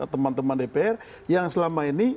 teman teman dpr yang selama ini